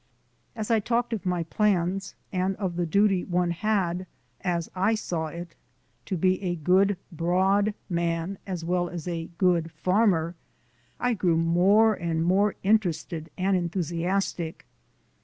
As I talked of my plans and of the duty one had, as I saw it, to be a good broad man as well as a good farmer, I grew more and more interested and enthusiastic.